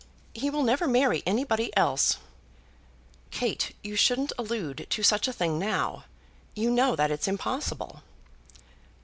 He will never marry anybody else." "Kate, you shouldn't allude to such a thing now. You know that it's impossible."